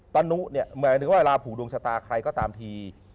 ตะนุเนี่ยหมายถึงว่าเวลาผูกดวงชะตาใครก็ตามที